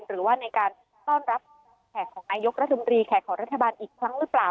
หรือว่าในการต้อนรับแขกของนายกรัฐมนตรีแขกของรัฐบาลอีกครั้งหรือเปล่า